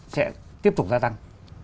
sẽ tiếp tục gia tăng